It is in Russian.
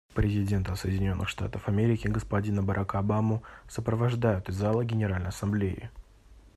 Президента Соединенных Штатов Америки господина Барака Обаму сопровождают из зала Генеральной Ассамблеи.